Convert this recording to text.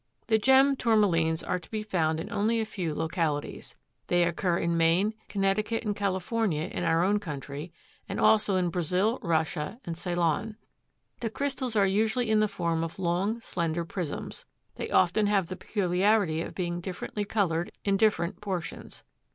The gem Tourmalines are to be found in only a few localities. They occur in Maine, Connecticut and California in our own country, and also in Brazil, Russia and Ceylon. The crystals are usually in the form of long, slender prisms. They often have the peculiarity of being differently colored in different portions.